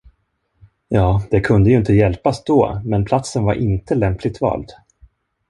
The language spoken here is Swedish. Ja, det kunde ju inte hjälpas då, men platsen var inte lämpligt vald.